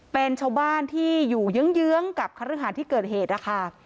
เป็นชาวบ้านที่อยู่เยื้องกับคฤหารที่เกิดเหตุนะคะ